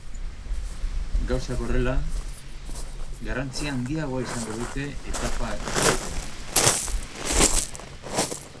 Gauzak horrela, garrantzi handiagoa izango dute etapa garaipenek.